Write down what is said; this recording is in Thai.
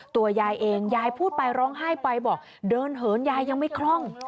ตัวยายเองยายพูดไปร้องไห้ไปบอกเดินเหินยายยังไม่คล่อง